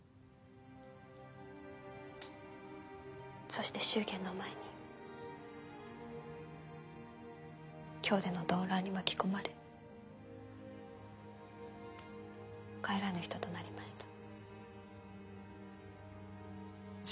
そして祝言の前に京での動乱に巻き込まれ帰らぬ人となりました。